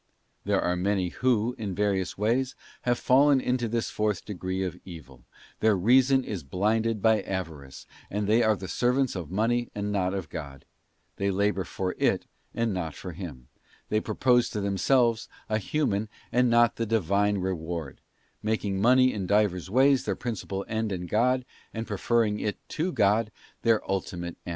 There are many who, in various ways, have fallen into this fourth degree of evil, their Reason is blinded by avarice, and they are the servants of money and not of God; they labour for it and not for Him; they propose to themselves a human and not the Divine reward; making money in divers ways their principal end and god, and preferring it to God, their ultimate end.